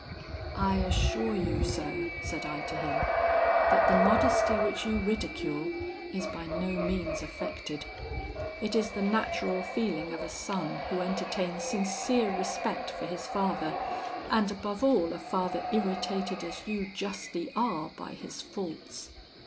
"'I assure you, sir,' said I to him, 'that the modesty which you ridicule is by no means affected; it is the natural feeling of a son who entertains sincere respect for his father, and above all, a father irritated as you justly are by his faults.